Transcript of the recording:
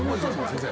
先生。